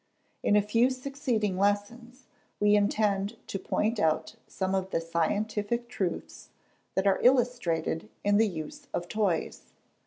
In a few succeeding lessons, we intend to point out some of the scientific truths that are illustrated in the use of toys.